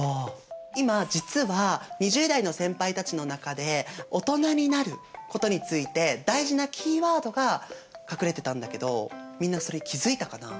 今実は２０代の先輩たちの中でオトナになることについて大事なキーワードが隠れてたんだけどみんなそれ気付いたかな？